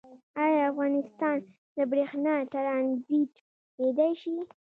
آیا افغانستان د بریښنا ټرانزیټ کیدی شي؟